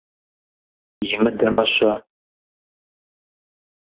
Имыдэмэ-щэ?